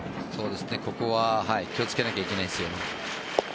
ここは気をつけなければいけないですね。